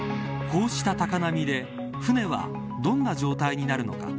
こうした高波で、船はどんな状態になるのか。